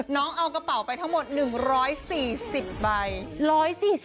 น้องเอากระเป๋าไปทั้งหมด๑๔๐ใบ